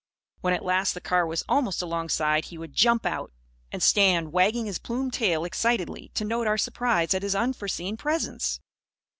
When at last the car was almost alongside, he would jump out; and stand wagging his plumed tail excitedly, to note our surprise at his unforeseen presence.